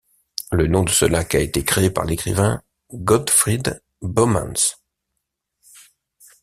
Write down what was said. Le nom de ce lac a été créé par l'écrivain Godfried Bomans.